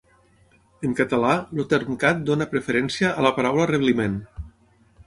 En català, el Termcat dóna preferència a la paraula rebliment.